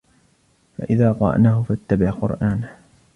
فإذا قرأناه فاتبع قرآنه